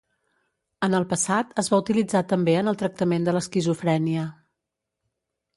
En el passat, es va utilitzar també en el tractament de l'esquizofrènia.